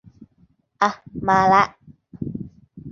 อะ มาละ